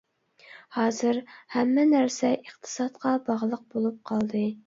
ھازىر ھەممە نەرسە ئىقتىسادقا باغلىق بولۇپ قالدى.